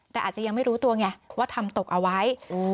แต่อาจจะยังไม่รู้ตัวไงว่าทำตกเอาไว้